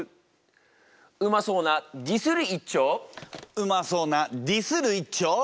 うまそうな「ディスる」一丁！